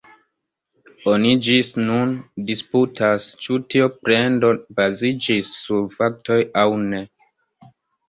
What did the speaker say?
Oni ĝis nun disputas, ĉu tio plendo baziĝis sur faktoj aŭ ne.